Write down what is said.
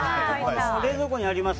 冷蔵庫にあります